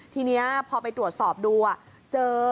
ทีนี้พอไปตรวจสอบดูเจอ